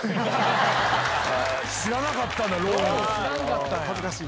知らなかったんだローンを。